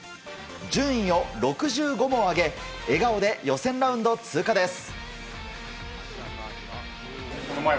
順位を６５も上げ笑顔で予選ラウンド通過です。